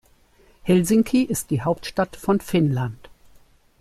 Helsinki ist die Hauptstadt von Finnland.